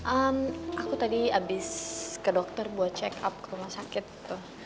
aku tadi abis ke dokter buat check up ke rumah sakit gitu